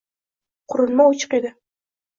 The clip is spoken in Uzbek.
Qurilma o`chiq edi